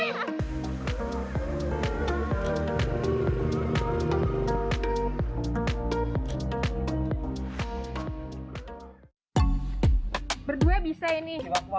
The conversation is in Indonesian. hai berdua bisa ini